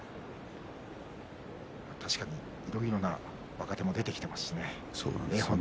確かにいろいろな若手も出てきています。